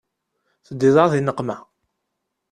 Teddiḍ-aɣ di nneqma.